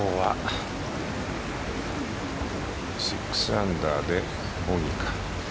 ６アンダーでボギーか。